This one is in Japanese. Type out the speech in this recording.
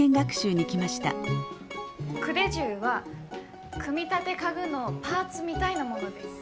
組手什は組み立て家具のパーツみたいなものです。